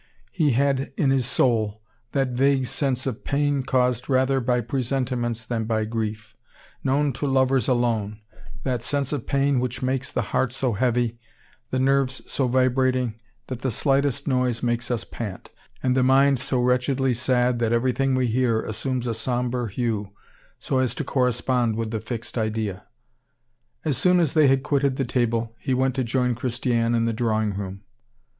He had in his soul that vague sense of pain caused rather by presentiments than by grief, known to lovers alone, that sense of pain which makes the heart so heavy, the nerves so vibrating that the slightest noise makes us pant, and the mind so wretchedly sad that everything we hear assumes a somber hue so as to correspond with the fixed idea. As soon as they had quitted the table, he went to join Christiane in the drawing room.